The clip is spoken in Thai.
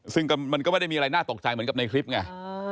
ซึ่งมันก็ไม่ได้มีอะไรน่าตกใจเหมือนกับในคลิปไง